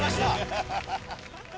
ハハハハ！